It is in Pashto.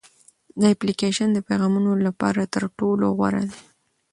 دا اپلیکیشن د پیغامونو لپاره تر ټولو غوره دی.